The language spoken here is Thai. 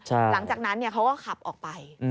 หลังจากนั้นเขาก็ขับออกไป